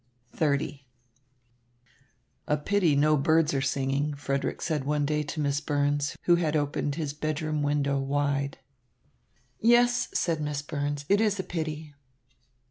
XXX "A pity no birds are singing," Frederick said one day to Miss Burns, who had opened his bedroom window wide. "Yes," said Miss Burns, "it is a pity."